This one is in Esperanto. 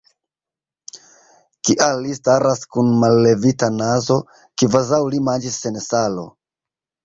Kial li staras kun mallevita nazo, kvazaŭ li manĝis sen salo?